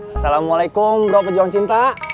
assalamualaikum bro pejuang cinta